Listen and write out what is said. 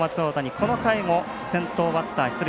この回も、先頭バッター出塁。